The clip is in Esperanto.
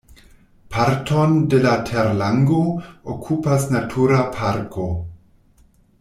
Parton de la terlango okupas natura parko.